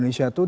ruu dan pprt